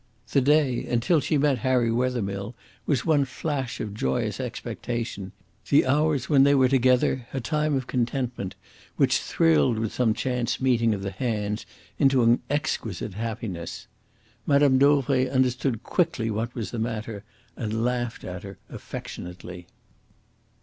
The day, until she met Harry Wethermill, was one flash of joyous expectation; the hours when they were together a time of contentment which thrilled with some chance meeting of the hands into an exquisite happiness. Mme. Dauvray understood quickly what was the matter, and laughed at her affectionately.